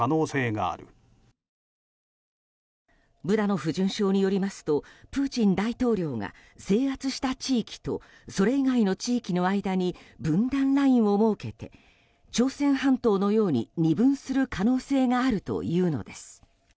ブダノフ准将によりますとプーチン大統領が制圧した地域とそれ以外の地域の間に分断ラインを設けて朝鮮半島のように二分する可能性があるというのです。